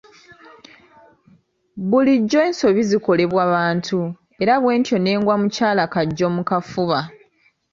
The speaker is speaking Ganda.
Bulijjo ensobi zikolebwa bantu era bwentyo ne ngwa mukyala kkojja mu kifuba.